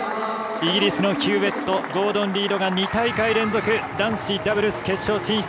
イギリスのヒューウェットゴードン・リードが２大会連続男子ダブルス決勝進出。